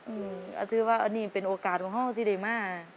ถือว่าอันนี้เป็นโอกาสของเขาที่ได้มา